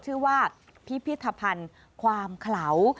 ชื่อว่าพิพิธภัณฑ์ความเขลา